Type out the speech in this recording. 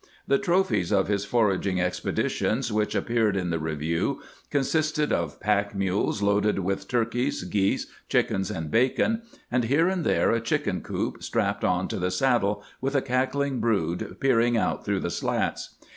The trophies of his foraging expeditions which appeared in the review consisted of pack mules loaded with tur keys, geese, chickens, and bacon, and here and there a chicken coop strapped on to the saddle, with a cackling brood peering out through the slats.